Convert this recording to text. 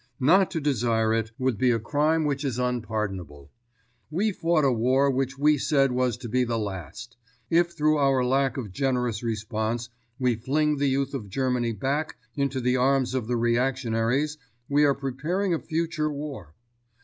Not to desire it would be a crime which is unpardonable. We fought a war which we said was to be the last; if through our lack of generous response we fling the youth of Germany back into the arms of the reactionaries, we are preparing a future war.